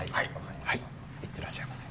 では、いってらっしゃいませ。